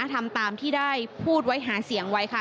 ทำตามที่ได้พูดไว้หาเสียงไว้ค่ะ